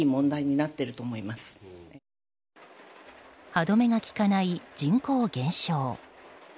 歯止めがきかない人口減少。